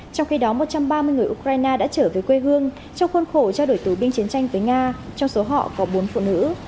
trong khi đó một trăm ba mươi người ukraine đã trở về quê hương trong khuôn khổ trao đổi tù binh chiến tranh với nga trong số họ có bốn phụ nữ